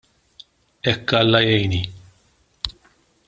Hekk Alla jgħinni.